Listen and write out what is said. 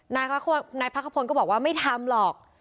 นายพักขพลก็บอกว่าไม่ทำหรอก